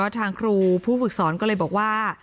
ทางครูผู้ฝึกสอนก็เลยบอกว่า